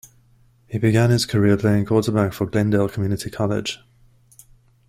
He began his career playing quarterback for Glendale Community College.